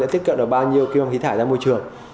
sẽ tiết kiệm được bao nhiêu kg khí thải ra môi trường